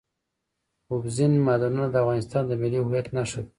اوبزین معدنونه د افغانستان د ملي هویت نښه ده.